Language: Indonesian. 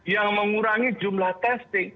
yang mengurangi jumlah testing